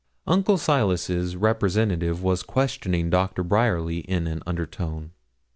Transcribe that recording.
Uncle Silas's representative was questioning Doctor Bryerly in an under tone.